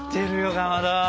かまど。